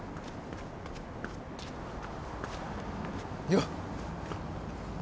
よっ！